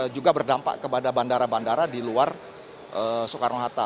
juga berdampak kepada bandara bandara di luar soekarno hatta